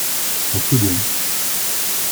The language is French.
En second.